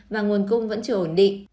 và nguồn cung vẫn chưa ổn định